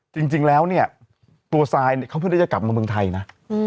จริงแล้วเนี่ยตัวซายเนี่ยเขาเพิ่งได้จะกลับมาเมืองไทยนะ